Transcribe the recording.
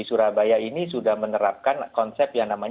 di surabaya ini sudah menerapkan konsep yang sangat penting